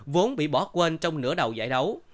vốn bị bỏ quên trong nửa đầu giải đấu